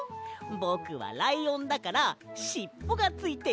ぼくはライオンだからしっぽがついてるんだ！